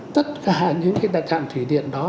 tất cả những cái đặc trạng thủy điện đó